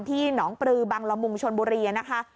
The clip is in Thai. ที่หนองปลือบังละมุงชนบุรีนะคะ